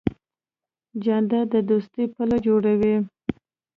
جانداد د دوستۍ پله جوړوي.